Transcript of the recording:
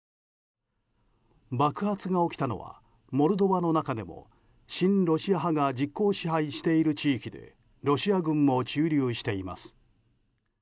爆発が起きたのはモルドバの中でも親ロシア派が実効支配している地域でロシア軍も駐留しています。